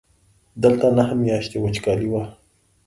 دلته نهه میاشتې وچکالي وه.